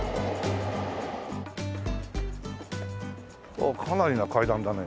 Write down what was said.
おっかなりな階段だね。